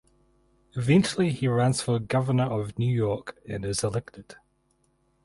Eventually he runs for governor of New York and is elected.